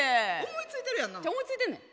思いついてんねん。